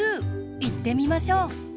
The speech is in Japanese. いってみましょう！